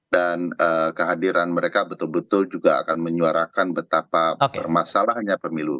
dan kehadiran mereka betul betul juga akan menyuarakan betapa bermasalahnya pemilu